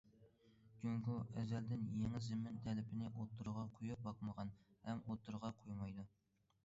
جۇڭگو ئەزەلدىن يېڭى زېمىن تەلىپىنى ئوتتۇرىغا قويۇپ باقمىغان ھەم ئوتتۇرىغا قويمايدۇ.